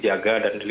yang harus dikonsumsi